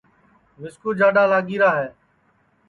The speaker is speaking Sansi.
مِسکُو جاڈؔا لگی را ہے